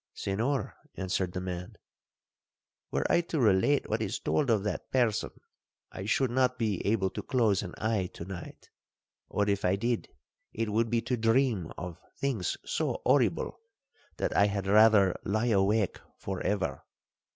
'—'Senhor,' answered the man, 'were I to relate what is told of that person, I should not be able to close an eye to night; or if I did, it would be to dream of things so horrible, that I had rather lie awake for ever.